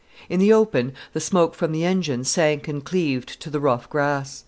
In the open, the smoke from the engine sank and cleaved to the rough grass.